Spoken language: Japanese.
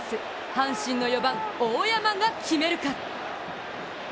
阪神の４番・大山が決めるか。